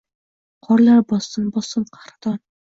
Qorlar bossin, bossin qahraton.